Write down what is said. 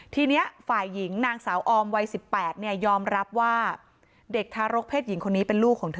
ทีนี้ฝ่ายหญิงนางสาวออมวัย๑๘เนี่ยยอมรับว่าเด็กทารกเพศหญิงคนนี้เป็นลูกของเธอ